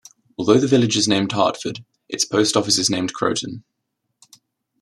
Although the village is named Hartford, its post office is named Croton.